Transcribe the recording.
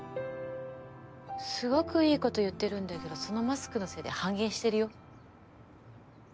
すごく良いこと言ってるんだけどそのマスクのせいで半減してるよ。